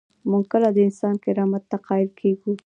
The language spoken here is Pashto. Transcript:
موږ کله د انسان کرامت ته قایل کیږو؟